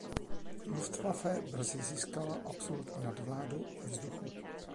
Luftwaffe brzy získala absolutní nadvládu ve vzduchu.